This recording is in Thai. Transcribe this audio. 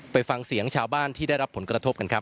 ไปฟังเสียงชาวบ้านที่ได้รับผลกระทบกันครับ